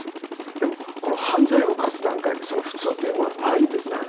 でもこの犯罪を犯す段階で普通というものはないんです。